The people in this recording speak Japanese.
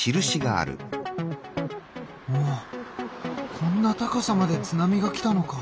おっこんな高さまで津波が来たのか。